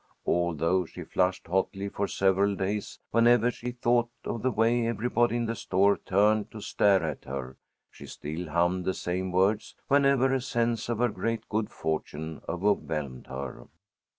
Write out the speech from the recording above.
Although she flushed hotly for several days whenever she thought of the way everybody in the store turned to stare at her, she still hummed the same words whenever a sense of her great good fortune overwhelmed her.